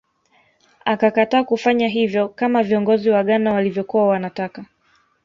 Akakataa kufanya hivyo kama viongozi wa Ghana walivyokuwa wanataka